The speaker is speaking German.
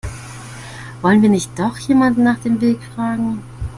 Wollen wir nicht doch jemanden nach dem Weg fragen?